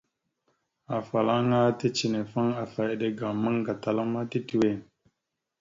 Afalaŋa ticənefaŋ afa eɗe ga ammaŋ gatala ma titəwe.